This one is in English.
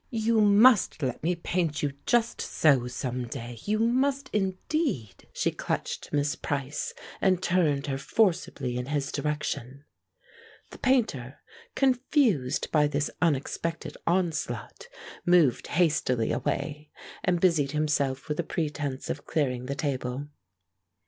You must let me paint you just so some day you must indeed." She clutched Miss Price and turned her forcibly in his direction. The Painter, confused by this unexpected onslaught, moved hastily away and busied himself with a pretence of clearing the table.